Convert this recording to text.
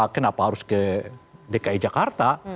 kenapa harus ke dki jakarta